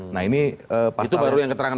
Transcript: nah ini itu baru yang keterangan